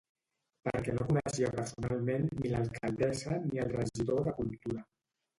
Perquè no coneixia personalment ni l'alcaldessa ni el regidor de Cultura.